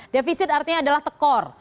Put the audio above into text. defisit artinya adalah tekor